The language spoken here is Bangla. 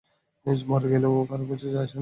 মরে গেলেও কারো কিছু যায় আসে না।